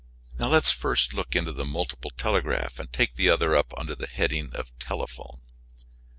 Let us first look into the multiple telegraph and take the other up under the head of the telephone.